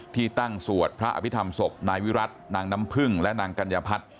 ที่ตั้งสวดพระอภิษฐรรมศพนายวิรัตินางน้ำพึ่งและนางกัญญพัฒน์